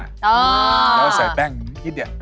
แล้วใส่แป้งอีกนิดเดียว